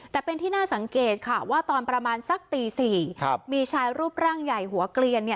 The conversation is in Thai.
แต่เป็นที่น่าสังเกตค่ะว่าตอนประมาณสักตี๔มีชายรูปร่างใหญ่หัวเกลียน